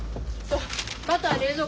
バターは冷蔵庫ね。